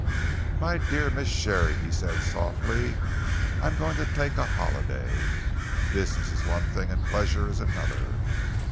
"My dear Miss Sharey," he said softly, "I am going to take a holiday. Business is one thing and pleasure is another.